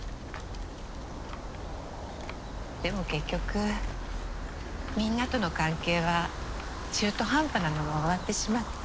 でも結局みんなとの関係は中途半端なまま終わってしまった。